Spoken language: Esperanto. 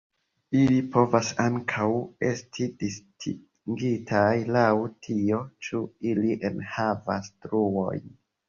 Ili povas ankaŭ esti distingitaj laŭ tio ĉu ili enhavas truojn.